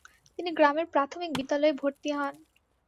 তিনি গ্রামের প্রাথমিক বিদ্যালয়ে ভর্তি হন।